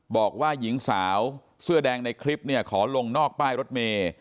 บอกว่าหญิงสาวเสื้อแดงในคลิปเนี่ยขอลงนอกป้ายรถเมย์